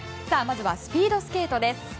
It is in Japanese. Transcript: まずはスピードスケートです。